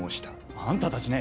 あんたたちね